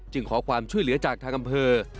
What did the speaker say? ขอความช่วยเหลือจากทางอำเภอ